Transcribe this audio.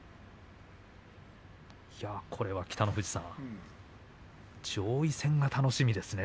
北の富士さん上位戦が楽しみですね。